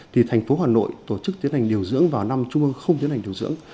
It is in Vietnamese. thì thành phố hà nội tổ chức tiến hành điều dưỡng vào năm trung ương không tiến hành điều dưỡng